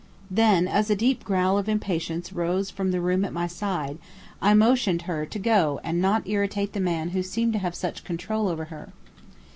Then as a deep growl of impatience rose from the room at my side, I motioned her to go and not irritate the man who seemed to have such control over her.